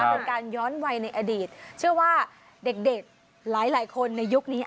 เป็นการย้อนวัยในอดีตเชื่อว่าเด็กหลายคนในยุคนี้